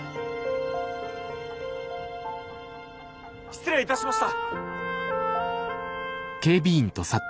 失礼いたしました。